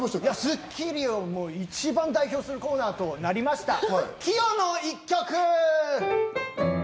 『スッキリ』を一番代表するコーナーとなりました「キヨの一曲」！